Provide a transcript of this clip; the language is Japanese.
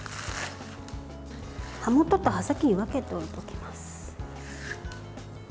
葉元と葉先に分けて置いておきます。